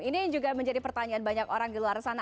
ini juga menjadi pertanyaan banyak orang di luar sana